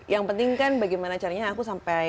yang penting kan bagaimana caranya aku sampai